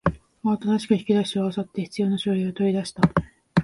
慌ただしく引き出しを漁って必要な書類を取り出した